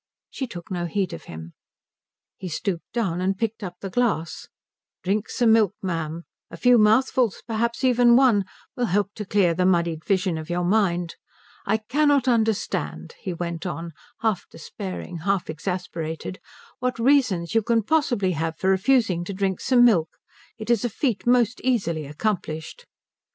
She took no heed of him. He stooped down and picked up the glass. "Drink some milk, ma'am. A few mouthfuls, perhaps even one, will help to clear the muddied vision of your mind. I cannot understand," he went on, half despairing, half exasperated, "what reasons you can possibly have for refusing to drink some milk. It is a feat most easily accomplished."